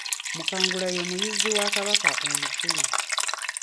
Mukangula ye muyizzi wa Kabaka omukulu.